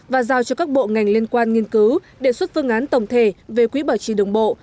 và giao cho các bộ ngành liên quan nghiên cứu đề xuất phương án tổng thể về quỹ bảo trì đường bộ